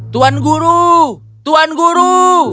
tuan guru tuan guru